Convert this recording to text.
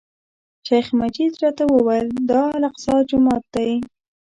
شیخ مجید راته وویل، دا الاقصی جومات دی.